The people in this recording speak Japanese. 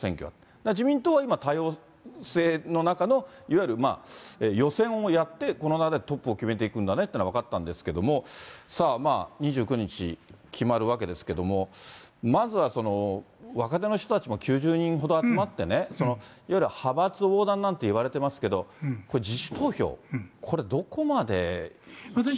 だから自民党は今、多様性の中の、いわゆる予選をやって、コロナでトップを決めていくんだねっていうのは分かったんですけれども、さあ、まあ、２９日決まるわけですけれども、まずはその若手の人たちも９０人ほど集まってね、そのいわゆる派閥横断なんていわれてますけど、自主投票、これ、どこまで。